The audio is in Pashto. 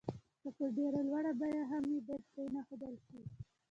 که په ډېره لوړه بيه هم وي بايد پرې نه ښودل شي.